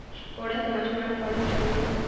اوړه د ماشومانو خواړه کې شاملیږي